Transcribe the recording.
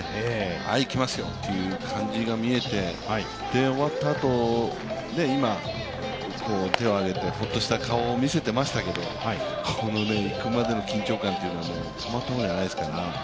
はい、いきますよという感じが見えて、終わったあと、手を挙げてホッとした顔を見せていましたけど、行くまでの緊張感はたまったものじゃないですからね。